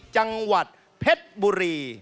จังหวัดเพชรบุรี